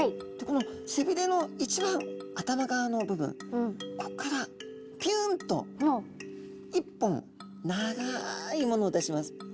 この背びれの一番頭側の部分こっからピュンと一本長いものを出します。